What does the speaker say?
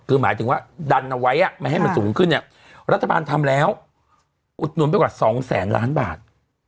คือหมายถึงว่าดันเอาไว้ไม่ให้มันสูงขึ้นเนี่ยรัฐบาลทำแล้วอุดหนุนไปกว่า๒แสนล้านบาท